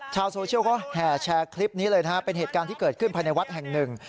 ชาวโซเชียลเขาแห่แชร์คลิปนี้เลยนะฮะเป็นเหตุการณ์ที่เกิดขึ้นภายในวัดแห่งหนึ่ง